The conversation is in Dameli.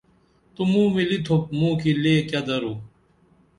تو موں ملی تُھوپ موں کی لے کیہ درو